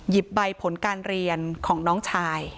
ใบผลการเรียนของน้องชาย